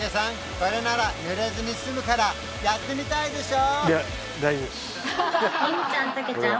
これなら濡れずに済むからやってみたいでしょ？